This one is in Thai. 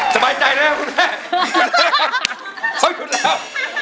สบายใจแล้วนะครับคุณแม่